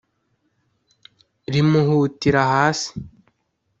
Rimuhutira hasi